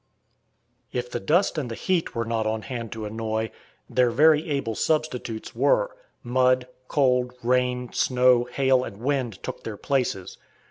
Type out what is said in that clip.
If the dust and the heat were not on hand to annoy, their very able substitutes were: mud, cold, rain, snow, hail and wind took their places.